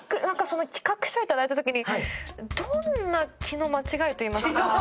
なんかその企画書頂いた時にどんな気の間違いといいますか。